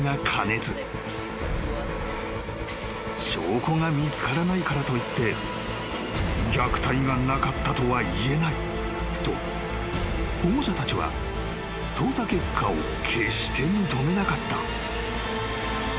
［証拠が見つからないからといって虐待がなかったとはいえないと保護者たちは捜査結果を決して認めなかった］